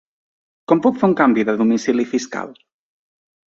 Com puc fer un canvi de domicili fiscal?